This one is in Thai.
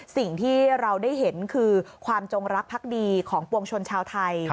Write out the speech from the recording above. สิ่งที่เราได้เห็นคือความจงรักพักดีของปวงชนชาวไทย